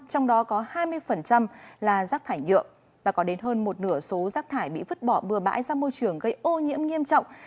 trong đó có hai mươi là rác thải nhựa và có đến hơn một nửa số rác thải bị vứt bỏ bừa bãi ra môi trường gây ô nhiễm nghiêm trọng